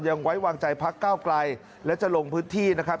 ยังไว้วางใจพักก้าวไกลและจะลงพื้นที่นะครับ